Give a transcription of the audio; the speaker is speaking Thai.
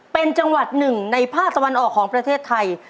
เป็นจังหวัดหนึ่งในภาคตะวันออกของประเทศไทย